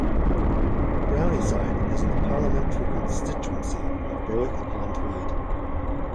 Brownieside is in the parliamentary constituency of Berwick-upon-Tweed.